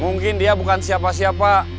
mungkin dia bukan siapa siapa